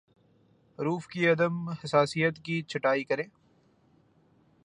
حروف کی عدم حساسیت کی چھٹائی کریں